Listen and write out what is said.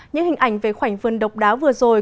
những hình ảnh về khoảnh vườn độc đáo vừa rồi